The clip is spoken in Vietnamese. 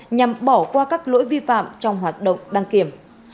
nhằm bỏ qua các lỗi vi phạm trong hoạt động đăng kiểm